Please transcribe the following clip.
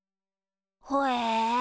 ほえ。